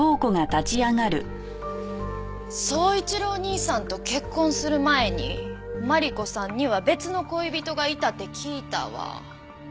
宗一郎兄さんと結婚する前に真理子さんには別の恋人がいたって聞いたわ。